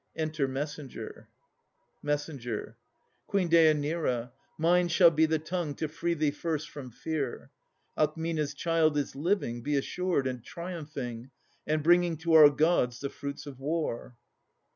Enter Messenger. MESSENGER. Queen Dêanira, mine shall be the tongue To free thee first from fear. Alcmena's child Is living, be assured, and triumphing, And bringing to our Gods the fruits of war.